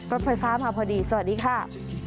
รถไฟฟ้ามาพอดีสวัสดีค่ะ